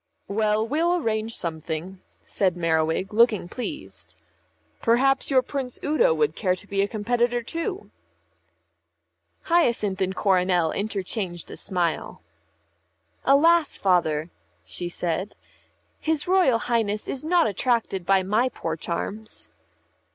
"Well, we'll arrange something," said Merriwig, looking pleased. "Perhaps your Prince Udo would care to be a competitor too." Hyacinth and Coronel interchanged a smile. "Alas, Father," she said, "his Royal Highness is not attracted by my poor charms."